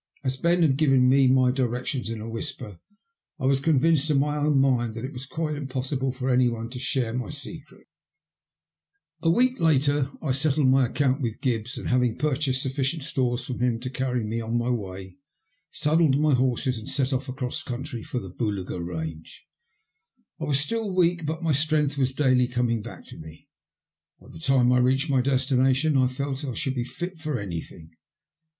As Ben had given me my directions in a whisper, I was convinced in my own mind that it was quite impossible for anyone else to share my secret. 34 THE LUST OF HATE. A week later I settled my account with Gibbs, and having purchased sufficient stores from him to carry me on my way, saddled my horses and set off across country for the Boolga Bange. I was still weak, but my strength was daily coming back to me. By the time I reached my destination I felt I should be fit for anything.